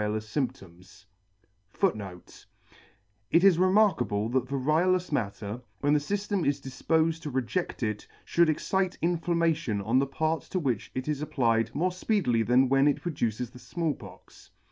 She received the in * It is remarkable that variolous matter, when the fyftem is difpofed to reje£t it, fhould excite inflammation on the part to which it is applied more fpeedily than when it produces the Small Pox.